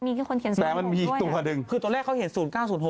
มีคนเขียนศูนย์หกด้วยนะแต่มันมีอีกตัวหนึ่งคือตอนแรกเขาเขียนศูนย์เก้าศูนย์หก